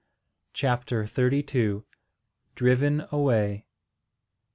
CHAPTER THIRTY TWO. DRIVEN AWAY.